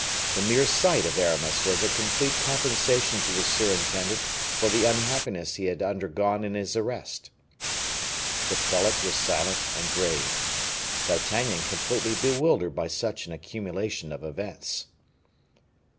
The mere sight of Aramis was a complete compensation to the surintendant for the unhappiness he had undergone in his arrest. The prelate was silent and grave; D'Artagnan completely bewildered by such an accumulation of events.